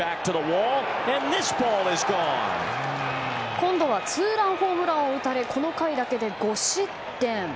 今度はツーランホームランを打たれこの回だけで５失点。